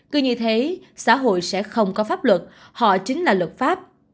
cứ như thế xã hội sẽ không có pháp luật họ chính là luật pháp